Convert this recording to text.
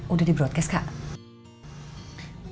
udah di broadcast kak